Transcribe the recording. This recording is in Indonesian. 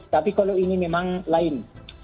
tapi kalau ini memang lain